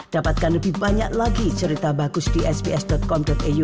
dapatkan lebih banyak lagi cerita bagus di sps com iu